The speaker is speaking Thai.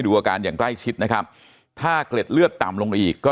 อาการอย่างใกล้ชิดนะครับถ้าเกล็ดเลือดต่ำลงอีกก็